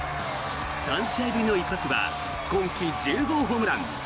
３試合ぶりの一発は今季１０号ホームラン。